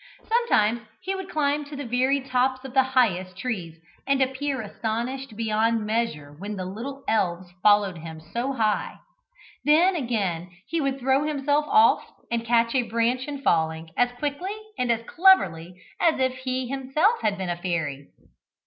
Sometimes he would climb to the very tops of the highest trees, and appear astonished beyond measure when the little elves followed him so high; then, again, he would throw himself off, and catch a branch in falling, as quickly and as cleverly as if he had been himself a fairy.